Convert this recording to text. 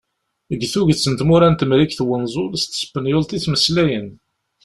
Deg tuget n tmura n Temrikt n Wenẓul s tespenyult i ttmeslayen.